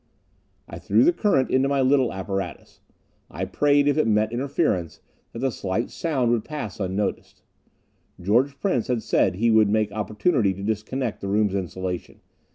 I threw the current into my little apparatus. I prayed, if it met interference, that the slight sound would pass unnoticed. George Prince had said he would make opportunity to disconnect the room's insulation.